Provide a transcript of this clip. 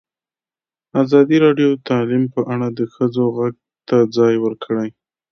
ازادي راډیو د تعلیم په اړه د ښځو غږ ته ځای ورکړی.